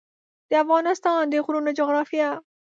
د افغانستان د غرونو جغرافیه